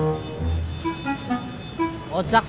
tunggu kita bawa